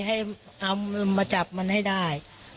ให้เอามาจับมันให้ได้